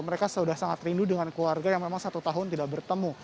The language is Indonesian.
mereka sudah sangat rindu dengan keluarga yang memang satu tahun tidak bertemu